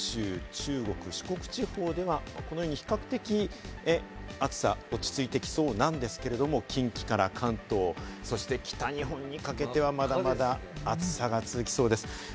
中国・四国地方ではこのように比較的暑さが落ち着いてきそうなんですけれども、近畿から関東、そして北日本にかけてはまだまだ暑さが続きそうです。